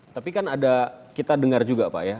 tapi kan ada kita dengar juga pak ya